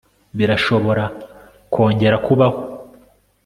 Birashobora kongera kubaho